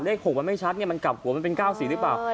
เลข๖มันไม่ชัดมันกลับหัวมันเป็น๙๔หรือเปล่า